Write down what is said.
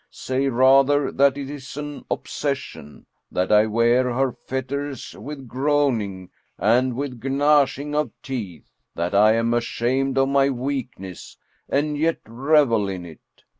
Say rather that it is an obsession, that I wear her fetters with groaning and with gnashing of teeth ; that I am ashamed of my weakness, and yet revel in it.